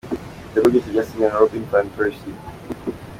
Ibitego byose byatsinzwe na Robin Van Persie .